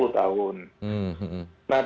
nah demikian saja itu saja